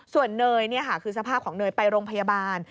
ส่วนเนยคือสภาพของเนยไปโรงพยาบาล